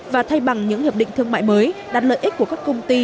và thay bằng những hiệp định thương mại mới đặt lợi ích của các công ty